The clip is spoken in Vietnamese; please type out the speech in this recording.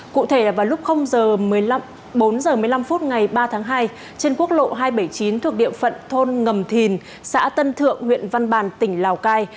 cụ thể vào lúc h một mươi bốn h một mươi năm phút ngày ba tháng hai trên quốc lộ hai trăm bảy mươi chín thuộc địa phận thôn ngầm thìn xã tân thượng huyện văn bàn tỉnh lào cai